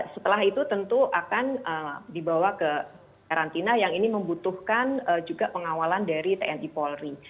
setelah itu tentu akan dibawa ke karantina yang ini membutuhkan juga pengawalan dari tni polri